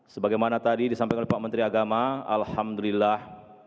sebagai mana tadi disampaikan oleh pak menteri agama alhamdulillah